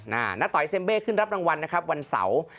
นาต่อยเซมเบ่ขึ้นรับรางวัลวันเสาร์